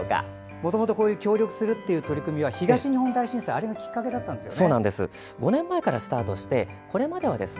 もともと協力するという取り組みは東日本大震災がきっかけだったんですよね。